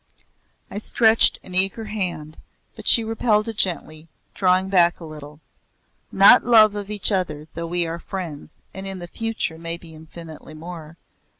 I stretched an eager hand but she repelled it gently, drawing back a little. "Not love of each other though we are friends and in the future may be infinitely more.